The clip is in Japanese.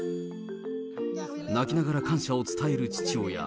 泣きながら感謝を伝える父親。